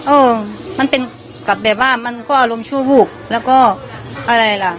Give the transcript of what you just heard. เออมันเป็นกับแบบว่ามันก็อารมณ์ชั่ววูบแล้วก็อะไรล่ะ